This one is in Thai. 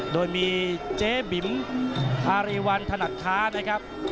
โดยมีเจ๊บิ๋มพารีวันถนัดค้านะครับ